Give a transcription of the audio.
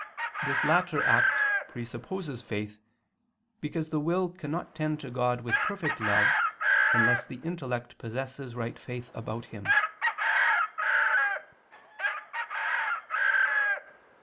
This latter act presupposes faith, because the will cannot tend to God with perfect love, unless the intellect possesses right faith about Him.